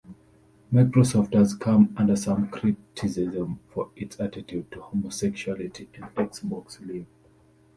Microsoft has come under some criticism for its attitude to homosexuality and Xbox Live.